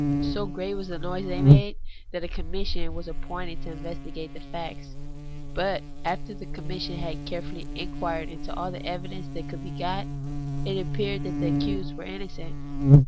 So great was the noise they made, that a Commission was appointed to investi gate the facts ; but after the Commission had carefully inquired into all the evidence that could be got, it appeared that the accused were innocent.